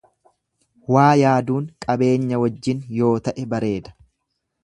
Waa yaaduun qabeenya wajjin yoo ta'e bareeda.